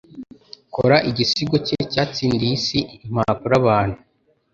kora igisigo cye cyatsindiye isi Impapuro Abantu